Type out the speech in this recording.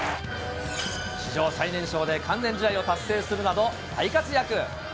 史上最年少で完全試合を達成するなど、大活躍。